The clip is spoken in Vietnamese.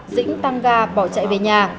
dĩnh tăng ga bỏ chạy về nhà